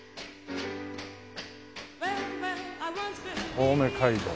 青梅街道。